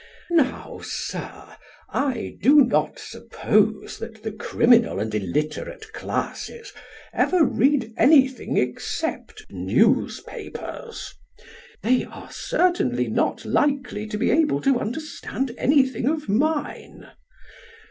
Now, Sir, I do not suppose that the criminal and illiterate classes ever read anything except newspapers. They are certainly not likely to be able to understand anything of mine.